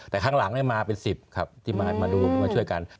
แต่ข้างหลังมาเป็น๑๐ครับที่มาดูมาช่วยกัน